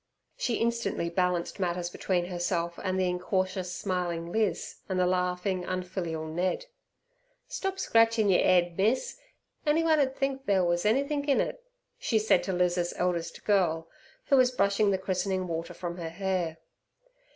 She instantly balanced matters between herself and the incautiously smiling Liz and the laughing unfilial Ned. "Stop scratchin' yer 'ed, miss; anyone 'ud think there wus anythink in it," she said to Liz's eldest girl, who was brushing the christening water from her hair.